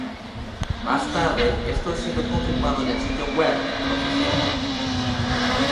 Más tarde, esto ha sido confirmado en el sitio web oficial.